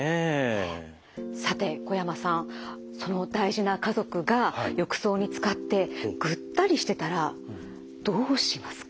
さて小山さんその大事な家族が浴槽につかってぐったりしてたらどうしますか？